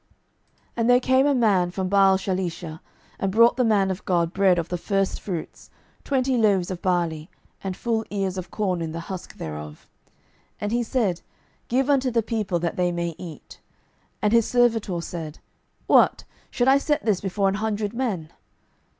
12:004:042 And there came a man from Baalshalisha, and brought the man of God bread of the firstfruits, twenty loaves of barley, and full ears of corn in the husk thereof. And he said, Give unto the people, that they may eat. 12:004:043 And his servitor said, What, should I set this before an hundred men?